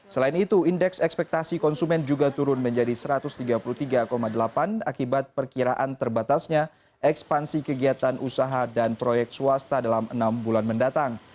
selain itu indeks ekspektasi konsumen juga turun menjadi satu ratus tiga puluh tiga delapan akibat perkiraan terbatasnya ekspansi kegiatan usaha dan proyek swasta dalam enam bulan mendatang